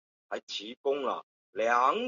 这场运动的影响远远超出了国教改革本身。